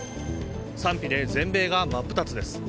賛否で全米が真っ二つです。